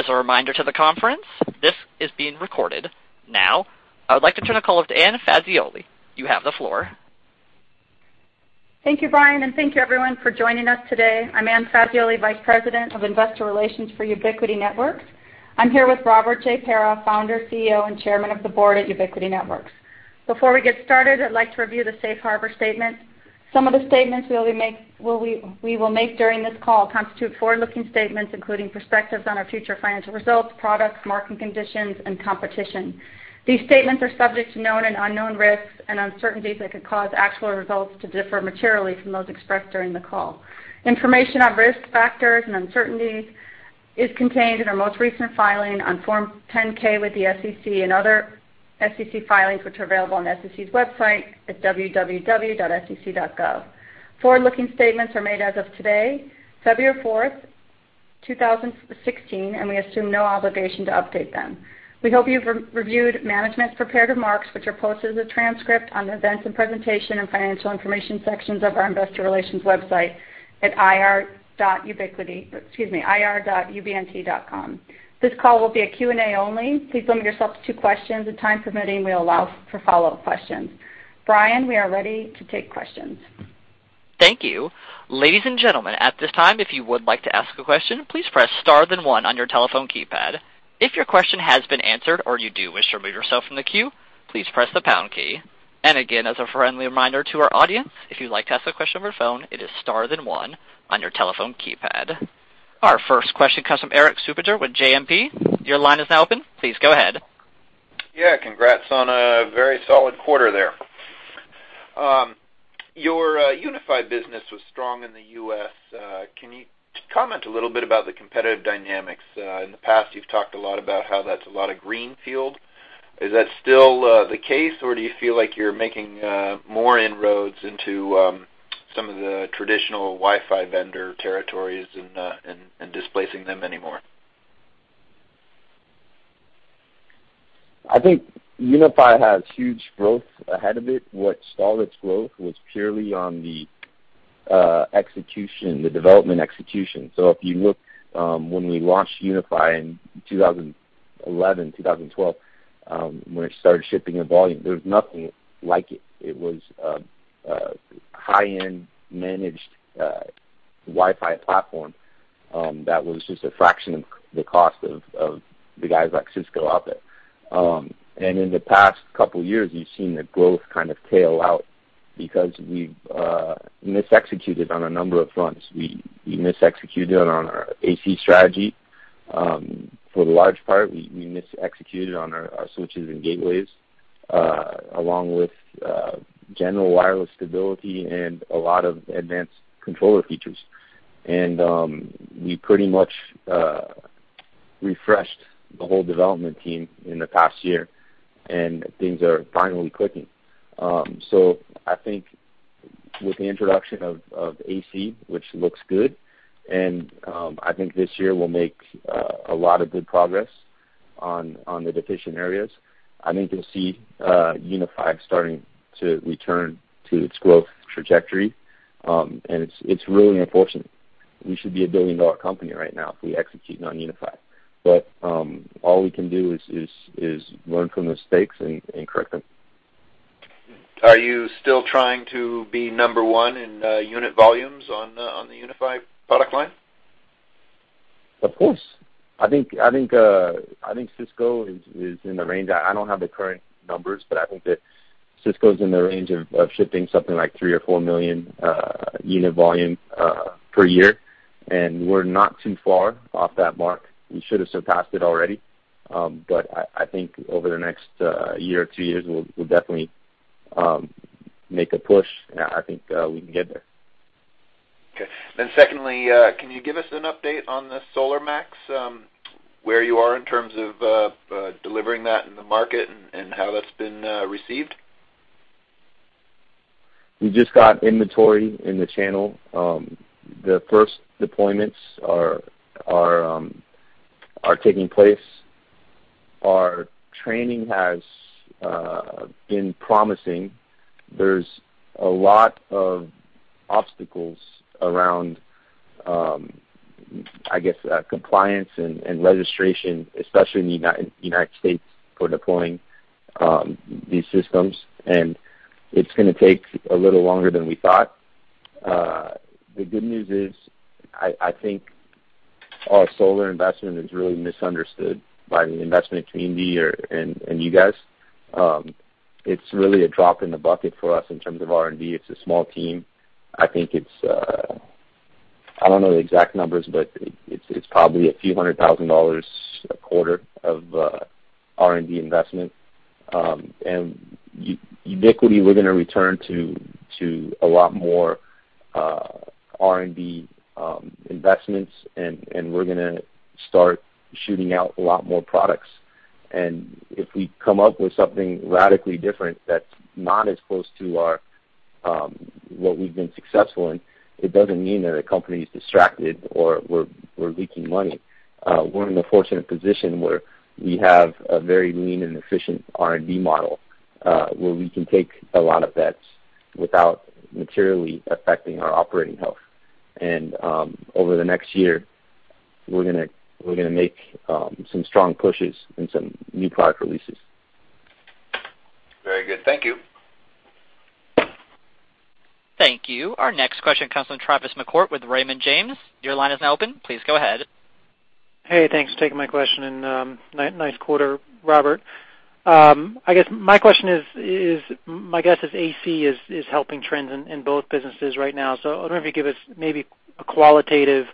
As a reminder to the conference, this is being recorded. Now, I would like to turn the call over to Anne Fazioli. You have the floor. Thank you, Brian, and thank you, everyone, for joining us today. I'm Anne Fazioli, Vice President of Investor Relations for Ubiquiti Networks. I'm here with Robert J. Pera, Founder, CEO, and Chairman of the Board at Ubiquiti Networks. Before we get started, I'd like to review the Safe Harbor Statements. Some of the statements we will make during this call constitute forward-looking statements, including perspectives on our future financial results, products, market conditions, and competition. These statements are subject to known and unknown risks and uncertainties that could cause actual results to differ materially from those expressed during the call. Information on risk factors and uncertainties is contained in our most recent filing on Form 10-K with the SEC and other SEC filings, which are available on the SEC's website at www.sec.gov. Forward-looking statements are made as of today, February 4th, 2016, and we assume no obligation to update them. We hope you've reviewed management's prepared remarks, which are posted as a transcript on the Events and Presentation and Financial Information sections of our Investor Relations website at ir.ubnt.com. This call will be a Q&A only. Please limit yourself to two questions. If time permitting, we'll allow for follow-up questions. Brian, we are ready to take questions. Thank you. Ladies and gentlemen, at this time, if you would like to ask a question, please press star then one on your telephone keypad. If your question has been answered or you do wish to remove yourself from the queue, please press the pound key. As a friendly reminder to our audience, if you'd like to ask a question over the phone, it is star then one on your telephone keypad. Our first question comes from Erik Suppiger with JMP. Your line is now open. Please go ahead. Yeah. Congrats on a very solid quarter there. Your UniFi business was strong in the U.S. Can you comment a little bit about the competitive dynamics? In the past, you've talked a lot about how that's a lot of greenfield. Is that still the case, or do you feel like you're making more inroads into some of the traditional Wi-Fi vendor territories and displacing them anymore? I think UniFi has huge growth ahead of it. What stalled its growth was purely on the execution, the development execution. If you look, when we launched UniFi in 2011, 2012, when it started shipping in volume, there was nothing like it. It was a high-end managed Wi-Fi platform that was just a fraction of the cost of the guys like Cisco out there. In the past couple of years, you've seen the growth kind of tail out because we've mis-executed on a number of fronts. We mis-executed on our AC strategy. For the large part, we mis-executed on our switches and gateways, along with general wireless stability and a lot of advanced controller features. We pretty much refreshed the whole development team in the past year, and things are finally clicking. I think with the introduction of AC, which looks good, and I think this year we'll make a lot of good progress on the deficient areas, I think you'll see UniFi starting to return to its growth trajectory. It is really unfortunate. We should be a billion-dollar company right now if we execute on UniFi. All we can do is learn from the mistakes and correct them. Are you still trying to be number one in unit volumes on the UniFi product line? Of course. I think Cisco is in the range—I do not have the current numbers, but I think that Cisco is in the range of shipping something like three or four million unit volume per year. We are not too far off that mark. We should have surpassed it already. I think over the next year or two years, we will definitely make a push. I think we can get there. Okay. Then secondly, can you give us an update on the SolarMax? Where you are in terms of delivering that in the market and how that's been received? We just got inventory in the channel. The first deployments are taking place. Our training has been promising. There's a lot of obstacles around, I guess, compliance and registration, especially in the United States, for deploying these systems. It's going to take a little longer than we thought. The good news is, I think our solar investment is really misunderstood by the investment community and you guys. It's really a drop in the bucket for us in terms of R&D. It's a small team. I don't know the exact numbers, but it's probably a few hundred thousand dollars a quarter of R&D investment. At Ubiquiti, we're going to return to a lot more R&D investments, and we're going to start shooting out a lot more products. If we come up with something radically different that's not as close to what we've been successful in, it doesn't mean that the company's distracted or we're leaking money. We're in a fortunate position where we have a very lean and efficient R&D model where we can take a lot of bets without materially affecting our operating health. Over the next year, we're going to make some strong pushes and some new product releases. Very good. Thank you. Thank you. Our next question comes from Tavis McCourt with Raymond James. Your line is now open. Please go ahead. Hey, thanks for taking my question and nice quarter, Robert. I guess my question is, my guess is AC is helping trends in both businesses right now. I wonder if you could give us maybe a qualitative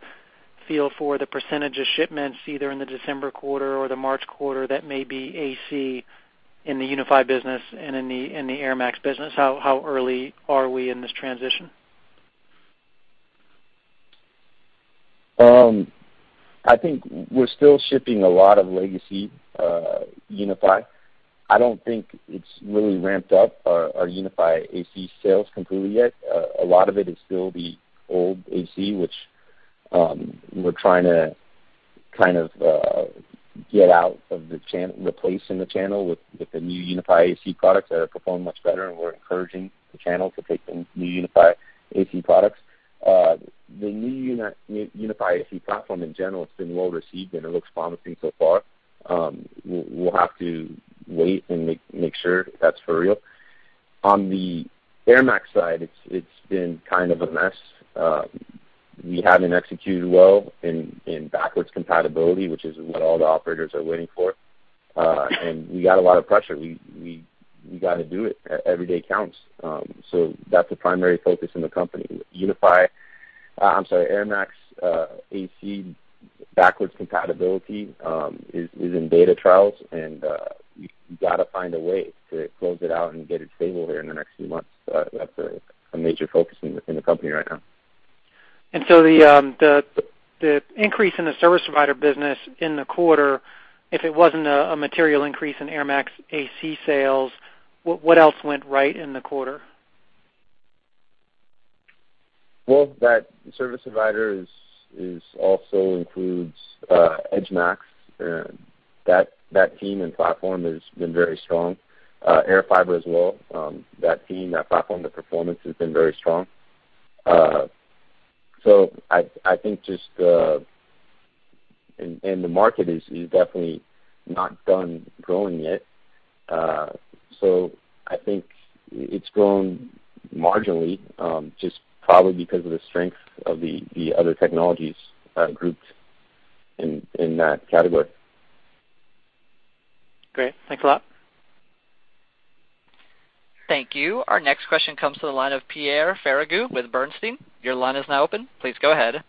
feel for the percentage of shipments either in the December quarter or the March quarter that may be AC in the UniFi business and in the AirMAX business. How early are we in this transition? I think we're still shipping a lot of legacy UniFi. I don't think it's really ramped up our UniFi AC sales completely yet. A lot of it is still the old AC, which we're trying to kind of get out of the channel, replace in the channel with the new UniFi AC products that perform much better. We're encouraging the channel to take the new UniFi AC products. The new UniFi AC platform, in general, has been well received and it looks promising so far. We'll have to wait and make sure that's for real. On the AirMAX side, it's been kind of a mess. We haven't executed well in backwards compatibility, which is what all the operators are waiting for. We got a lot of pressure. We got to do it. Every day counts. That's the primary focus in the company. UniFi—I'm sorry, AirMAX AC backwards compatibility is in beta trials, and we got to find a way to close it out and get it stable here in the next few months. That's a major focus in the company right now. The increase in the service provider business in the quarter, if it wasn't a material increase in AirMAX AC sales, what else went right in the quarter? That service provider also includes EdgeMAX. That team and platform has been very strong. AirFiber as well. That team, that platform, the performance has been very strong. I think just—the market is definitely not done growing yet. I think it's grown marginally, just probably because of the strength of the other technologies grouped in that category. Great. Thanks a lot. Thank you. Our next question comes to the line of Pierre Ferragu with Bernstein. Your line is now open. Please go ahead.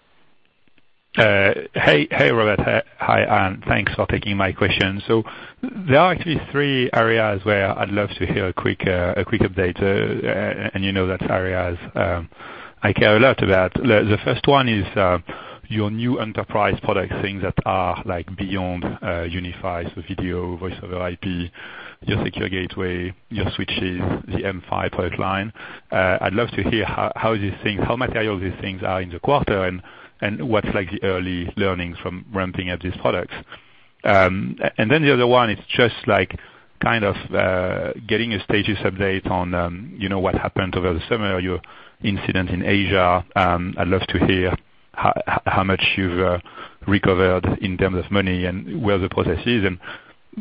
Hey, Robert. Hi, Anne. Thanks for taking my question. There are actually three areas where I'd love to hear a quick update. You know the areas I care a lot about. The first one is your new enterprise products, things that are beyond UniFi, so video, voice-over IP, your secure gateway, your switches, the M5 product line. I'd love to hear how these things, how material these things are in the quarter and what's the early learnings from ramping up these products. The other one is just kind of getting a status update on what happened over the summer, your incident in Asia. I'd love to hear how much you've recovered in terms of money and where the process is.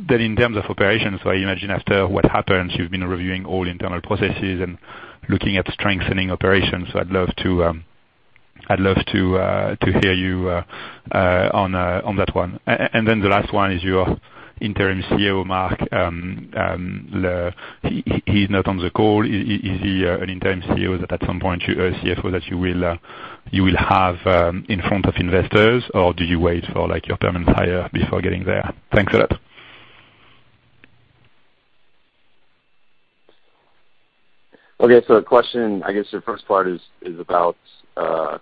In terms of operations, I imagine after what happened, you've been reviewing all internal processes and looking at strengthening operations. I'd love to hear you on that one. The last one is your interim CEO, Mark. He's not on the call. Is he an interim CEO at some point, CFO that you will have in front of investors, or do you wait for your permanent hire before getting there? Thanks a lot. Okay. The question, I guess the first part is about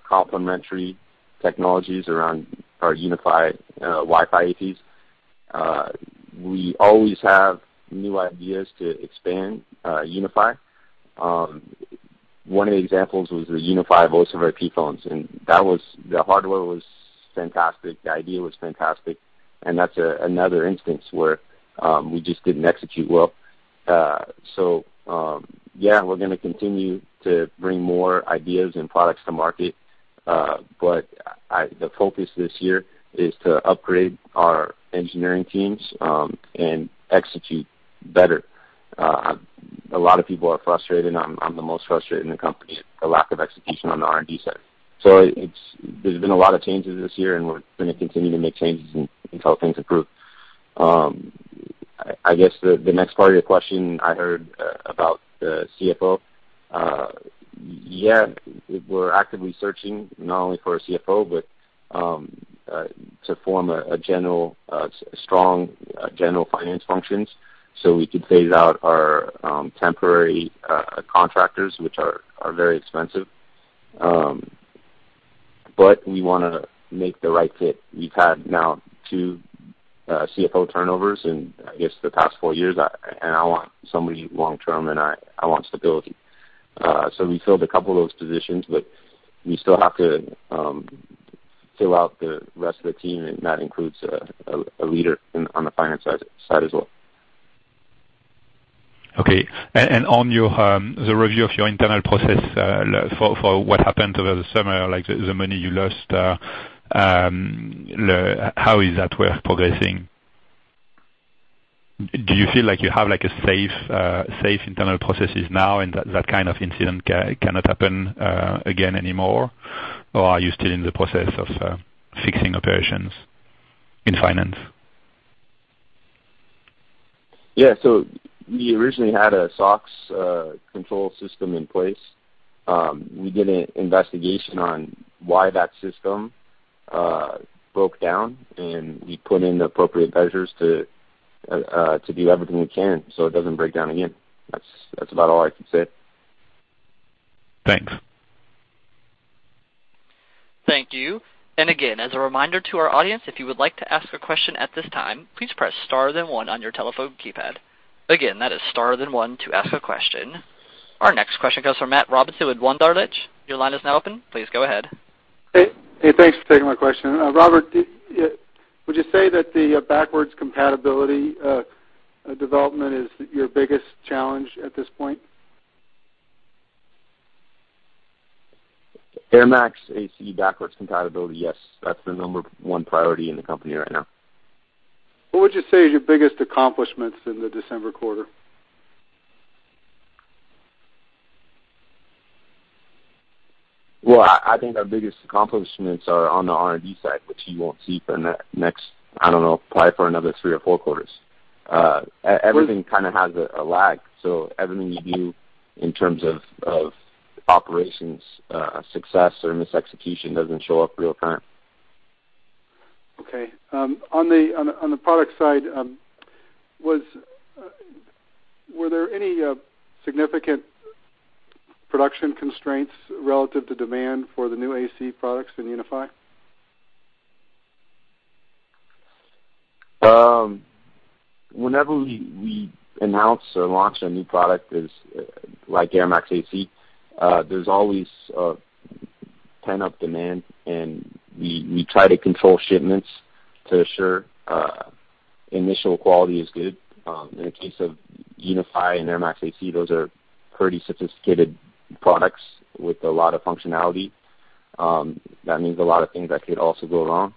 complementary technologies around our UniFi Wi-Fi ACs. We always have new ideas to expand UniFi. One of the examples was the UniFi voice-over IP phones. The hardware was fantastic. The idea was fantastic. That's another instance where we just didn't execute well. Yeah, we're going to continue to bring more ideas and products to market. The focus this year is to upgrade our engineering teams and execute better. A lot of people are frustrated. I'm the most frustrated in the company at the lack of execution on the R&D side. There's been a lot of changes this year, and we're going to continue to make changes until things improve. I guess the next part of your question, I heard about the CFO. Yeah, we're actively searching not only for a CFO, but to form a strong general finance function so we could phase out our temporary contractors, which are very expensive. We want to make the right fit. We've had now two CFO turnovers in, I guess, the past four years, and I want somebody long-term, and I want stability. We filled a couple of those positions, but we still have to fill out the rest of the team, and that includes a leader on the finance side as well. Okay. On the review of your internal process for what happened over the summer, like the money you lost, how is that work progressing? Do you feel like you have safe internal processes now and that kind of incident cannot happen again anymore, or are you still in the process of fixing operations in finance? Yeah. We originally had a SOX control system in place. We did an investigation on why that system broke down, and we put in the appropriate measures to do everything we can so it does not break down again. That is about all I can say. Thanks. Thank you. As a reminder to our audience, if you would like to ask a question at this time, please press star then one on your telephone keypad. Again, that is star then one to ask a question. Our next question comes from Matt Robinson with One Darledge. Your line is now open. Please go ahead. Hey. Hey, thanks for taking my question. Robert, would you say that the backwards compatibility development is your biggest challenge at this point? AirMAX AC backwards compatibility, yes. That's the number one priority in the company right now. What would you say is your biggest accomplishments in the December quarter? I think our biggest accomplishments are on the R&D side, which you won't see for the next, I don't know, probably for another three or four quarters. Everything kind of has a lag. Everything you do in terms of operations, success, or mis-execution doesn't show up real-time. Okay. On the product side, were there any significant production constraints relative to demand for the new AC products in UniFi? Whenever we announce or launch a new product like AirMAX AC, there's always a pent-up demand, and we try to control shipments to assure initial quality is good. In the case of UniFi and AirMAX AC, those are pretty sophisticated products with a lot of functionality. That means a lot of things that could also go wrong.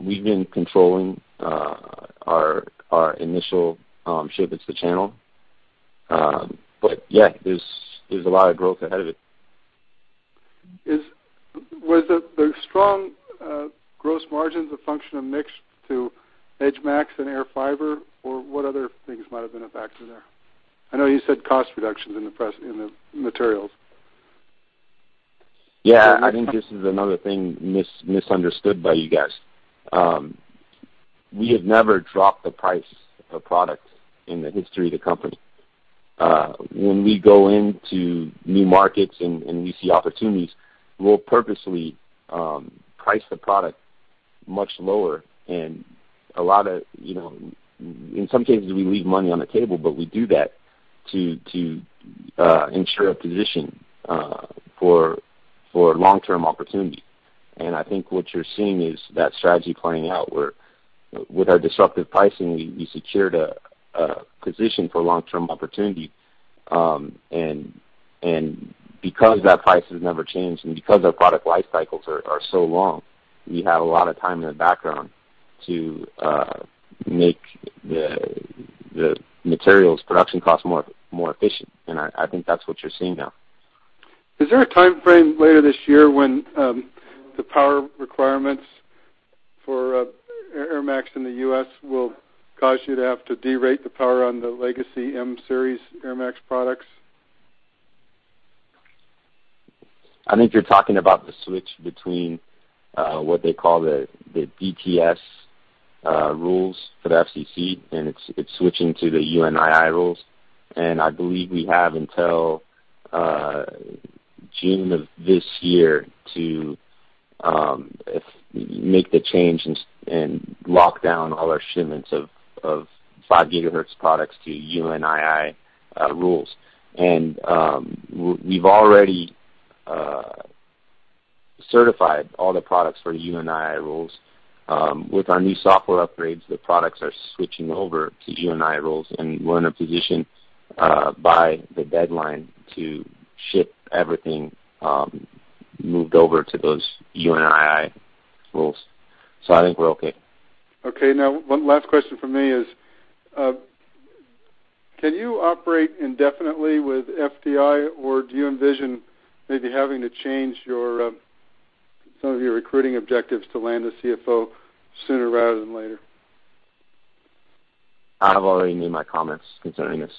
We have been controlling our initial shipments to channel. Yeah, there's a lot of growth ahead of it. Was the strong gross margins a function of mix to EdgeMAX and AirFiber, or what other things might have been a factor there? I know you said cost reductions in the materials. Yeah. I think this is another thing misunderstood by you guys. We have never dropped the price of a product in the history of the company. When we go into new markets and we see opportunities, we will purposely price the product much lower. In some cases, we leave money on the table, but we do that to ensure a position for long-term opportunity. I think what you are seeing is that strategy playing out where with our disruptive pricing, we secured a position for long-term opportunity. Because that price has never changed and because our product lifecycles are so long, we have a lot of time in the background to make the materials' production costs more efficient. I think that is what you are seeing now. Is there a timeframe later this year when the power requirements for AirMAX in the U.S. will cause you to have to derate the power on the legacy M-series AirMAX products? I think you're talking about the switch between what they call the DTS rules for the FCC, and it's switching to the UNII rules. I believe we have until June of this year to make the change and lock down all our shipments of 5 gigahertz products to UNII rules. We've already certified all the products for UNII rules. With our new software upgrades, the products are switching over to UNII rules, and we're in a position by the deadline to ship everything moved over to those UNII rules. I think we're okay. Okay. Now, one last question for me is, can you operate indefinitely with FDI, or do you envision maybe having to change some of your recruiting objectives to land a CFO sooner rather than later? I've already made my comments concerning this.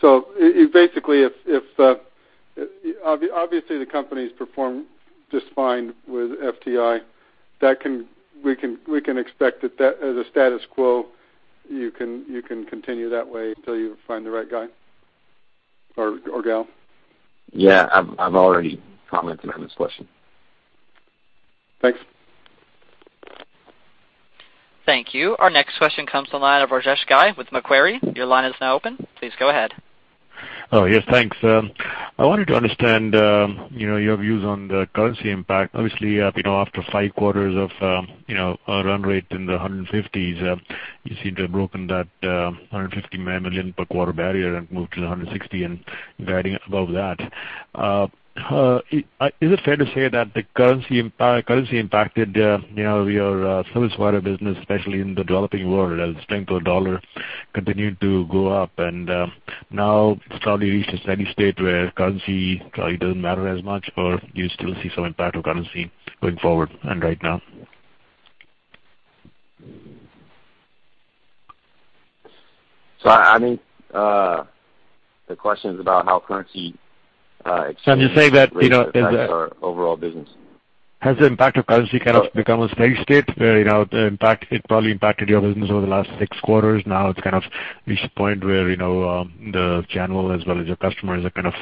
Basically, if obviously the company's performed just fine with FDI, we can expect that as a status quo, you can continue that way until you find the right guy or gal? Yeah. I've already commented on this question. Thanks. Thank you. Our next question comes from the line of Rajesh Ghias with Macquarie. Your line is now open. Please go ahead. Oh, yes. Thanks. I wanted to understand your views on the currency impact. Obviously, after five quarters of a run rate in the $150 million, you seem to have broken that $150 million per quarter barrier and moved to the $160 million and guiding above that. Is it fair to say that the currency impacted your service provider business, especially in the developing world, as the strength of the dollar continued to go up? Now it's probably reached a steady state where currency probably doesn't matter as much, or do you still see some impact of currency going forward and right now? I think the question is about how currency exchange impacts our overall business. Has the impact of currency kind of become a steady state where the impact it probably impacted your business over the last six quarters? Now it's kind of reached a point where the channel as well as your customers are kind of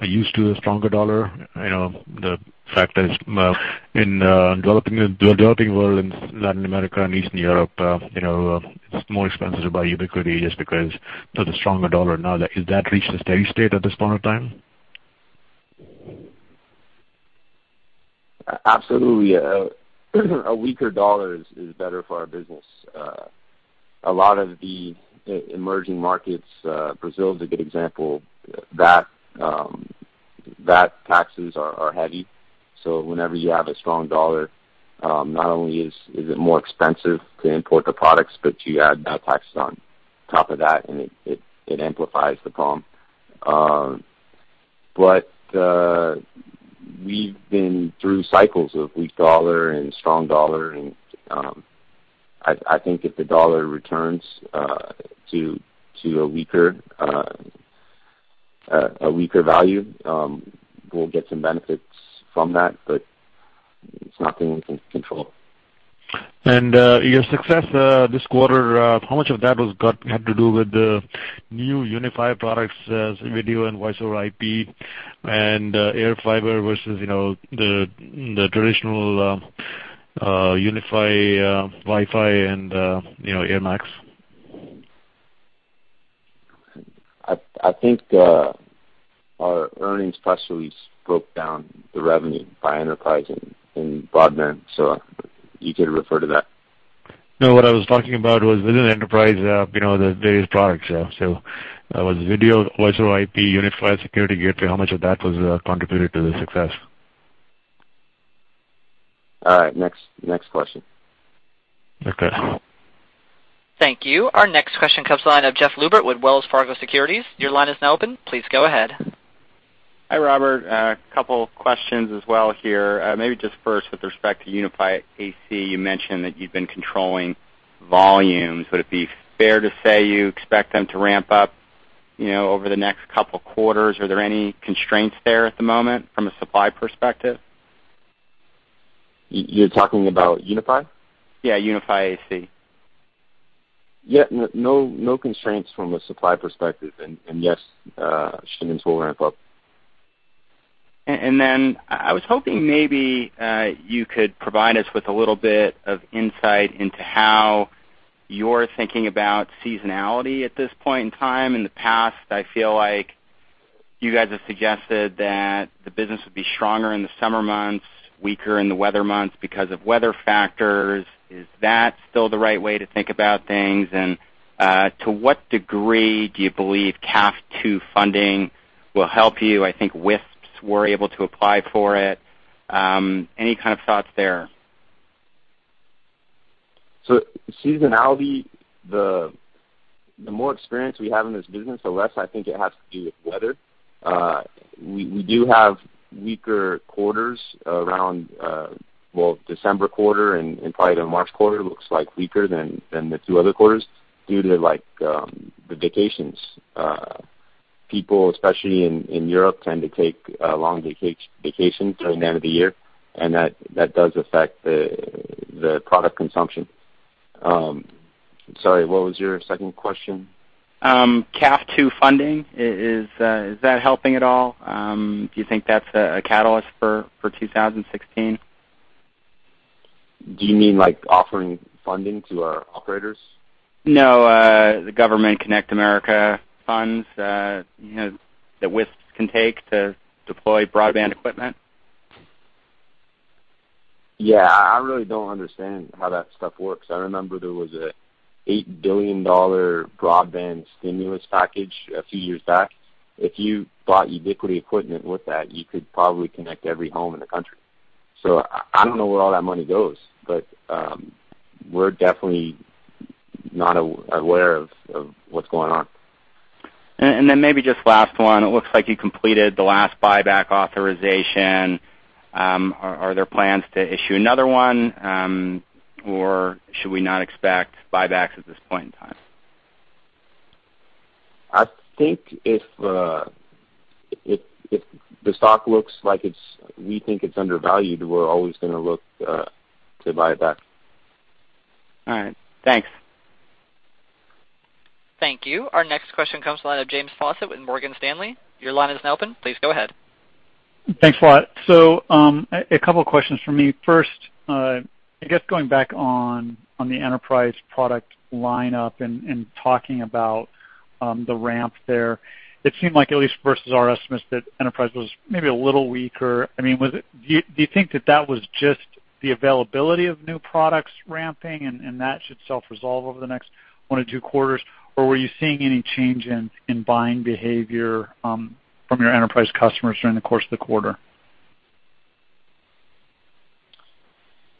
used to a stronger dollar. The fact that in the developing world, in Latin America and Eastern Europe, it's more expensive to buy Ubiquiti just because of the stronger dollar. Now, has that reached a steady state at this point in time? Absolutely. A weaker dollar is better for our business. A lot of the emerging markets, Brazil is a good example, that taxes are heavy. Whenever you have a strong dollar, not only is it more expensive to import the products, but you add that tax on top of that, and it amplifies the problem. We have been through cycles of weak dollar and strong dollar. I think if the dollar returns to a weaker value, we'll get some benefits from that, but it's not a thing we can control. Your success this quarter, how much of that had to do with the new UniFi products, video and voice-over IP, and AirFiber versus the traditional UniFi Wi-Fi and AirMAX? I think our earnings press release broke down the revenue by enterprise and broadband, so you could refer to that. No, what I was talking about was within enterprise, the various products. So was video, voice-over IP, UniFi Security Gateway, how much of that was contributed to the success? All right. Next question. Okay. Thank you. Our next question comes from the line of Jess Lubert with Wells Fargo Securities. Your line is now open. Please go ahead. Hi, Robert. A couple of questions as well here. Maybe just first with respect to UniFi AC, you mentioned that you've been controlling volumes. Would it be fair to say you expect them to ramp up over the next couple of quarters? Are there any constraints there at the moment from a supply perspective? You're talking about UniFi? Yeah, UniFi AC. Yeah. No constraints from a supply perspective. Yes, shipments will ramp up. I was hoping maybe you could provide us with a little bit of insight into how you're thinking about seasonality at this point in time. In the past, I feel like you guys have suggested that the business would be stronger in the summer months, weaker in the winter months because of weather factors. Is that still the right way to think about things? To what degree do you believe CAF II funding will help you? I think WISPs were able to apply for it. Any kind of thoughts there? Seasonality, the more experience we have in this business, the less I think it has to do with weather. We do have weaker quarters around, well, December quarter and probably the March quarter looks like weaker than the two other quarters due to the vacations. People, especially in Europe, tend to take long vacations during the end of the year, and that does affect the product consumption. Sorry, what was your second question? CAF II funding, is that helping at all? Do you think that's a catalyst for 2016? Do you mean offering funding to our operators? No, the government Connect America funds that WISPs can take to deploy broadband equipment. Yeah. I really don't understand how that stuff works. I remember there was an $8 billion broadband stimulus package a few years back. If you bought Ubiquiti equipment with that, you could probably connect every home in the country. I don't know where all that money goes, but we're definitely not aware of what's going on. Maybe just last one. It looks like you completed the last buyback authorization. Are there plans to issue another one, or should we not expect buybacks at this point in time? I think if the stock looks like we think it's undervalued, we're always going to look to buy it back. All right. Thanks. Thank you. Our next question comes from the line of James Fawcett with Morgan Stanley. Your line is now open. Please go ahead. Thanks a lot. A couple of questions for me. First, I guess going back on the enterprise product lineup and talking about the ramp there, it seemed like at least versus our estimates that enterprise was maybe a little weaker. I mean, do you think that that was just the availability of new products ramping and that should self-resolve over the next one or two quarters, or were you seeing any change in buying behavior from your enterprise customers during the course of the quarter?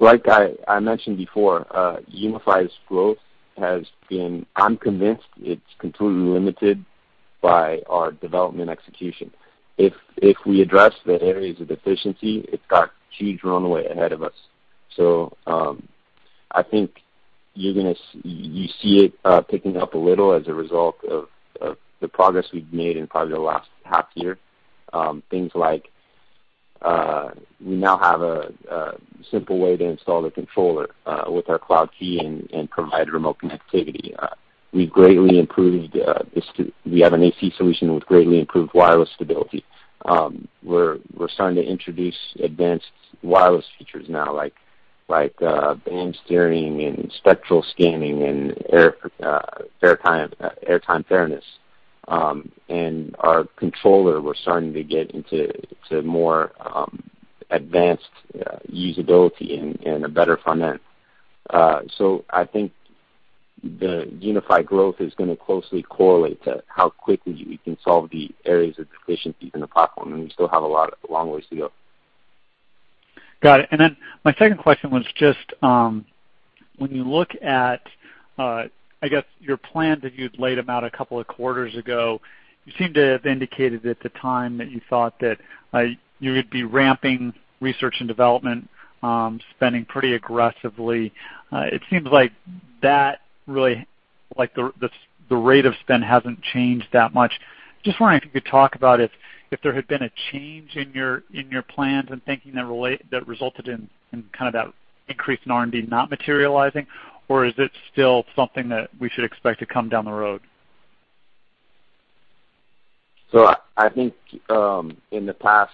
Like I mentioned before, UniFi's growth has been, I'm convinced it's completely limited by our development execution. If we address the areas of deficiency, it's got huge runway ahead of us. I think you see it picking up a little as a result of the progress we've made in probably the last half year. Things like we now have a simple way to install the controller with our Cloud Key and provide remote connectivity. We've greatly improved this too. We have an AC solution with greatly improved wireless stability. We're starting to introduce advanced wireless features now, like band steering and spectral scanning and airtime fairness. Our controller, we're starting to get into more advanced usability and a better front end. I think the UniFi growth is going to closely correlate to how quickly we can solve the areas of deficiencies in the platform, and we still have a lot of long ways to go. Got it. My second question was just when you look at, I guess, your plan that you'd laid them out a couple of quarters ago, you seem to have indicated at the time that you thought that you would be ramping research and development, spending pretty aggressively. It seems like that really, like the rate of spend hasn't changed that much. Just wondering if you could talk about if there had been a change in your plans and thinking that resulted in kind of that increase in R&D not materializing, or is it still something that we should expect to come down the road? I think in the past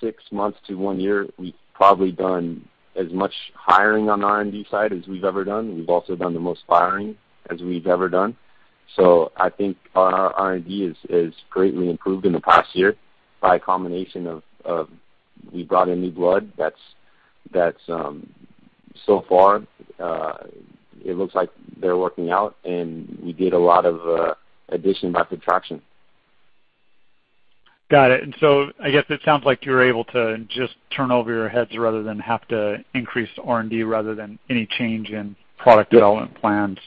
six months to one year, we've probably done as much hiring on the R&D side as we've ever done. We've also done the most firing as we've ever done. I think our R&D has greatly improved in the past year by a combination of we brought in new blood. So far, it looks like they're working out, and we did a lot of addition by subtraction. Got it. I guess it sounds like you were able to just turn over your heads rather than have to increase R&D rather than any change in product development plans.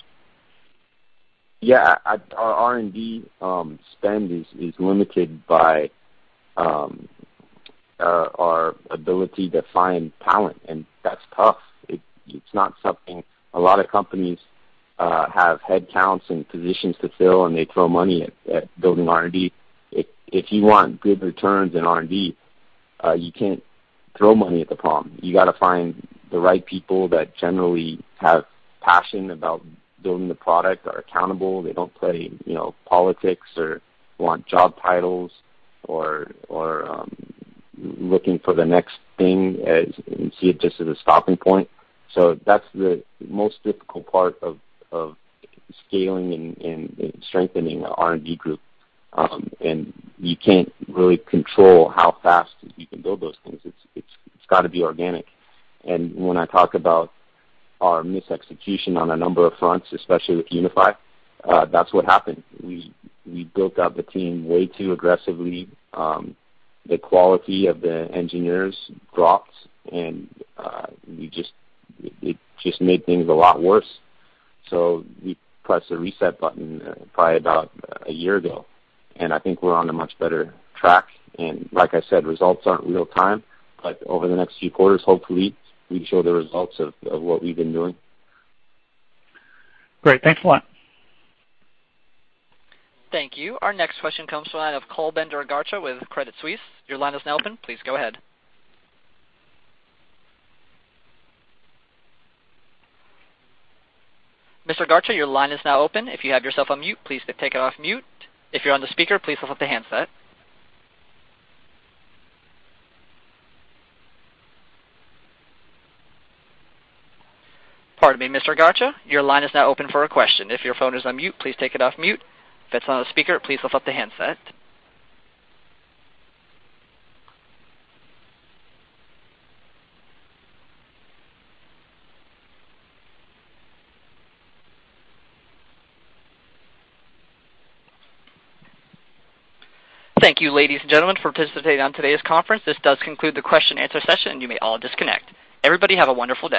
Yeah. Our R&D spend is limited by our ability to find talent, and that's tough. It's not something a lot of companies have headcounts and positions to fill, and they throw money at building R&D. If you want good returns in R&D, you can't throw money at the problem. You got to find the right people that generally have passion about building the product, are accountable. They don't play politics or want job titles or looking for the next thing and see it just as a stopping point. That is the most difficult part of scaling and strengthening an R&D group. You can't really control how fast you can build those things. It's got to be organic. When I talk about our mis-execution on a number of fronts, especially with UniFi, that's what happened. We built up a team way too aggressively. The quality of the engineers dropped, and it just made things a lot worse. We pressed the reset button probably about a year ago, and I think we're on a much better track. Like I said, results aren't real time, but over the next few quarters, hopefully, we can show the results of what we've been doing. Great. Thanks a lot. Thank you. Our next question comes from the line of Cole Bender Garcha with Credit Suisse. Your line is now open. Please go ahead. Mr. Garcha, your line is now open. If you have yourself on mute, please take it off mute. If you're on the speaker, please hold up the handset. Pardon me, Mr. Garcha. Your line is now open for a question. If your phone is on mute, please take it off mute. If it's on a speaker, please hold up the handset. Thank you, ladies and gentlemen, for participating on today's conference. This does conclude the question-and-answer session, and you may all disconnect. Everybody have a wonderful day.